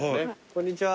こんにちは。